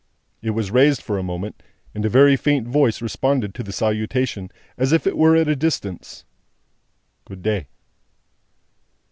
It was raised for a moment, and a very faint voice responded to the salutation, as if it were at a distance: "Good day!"